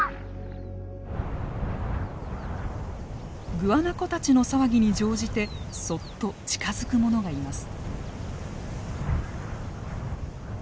グアナコたちの騒ぎに乗じてそっと近づくものがいます。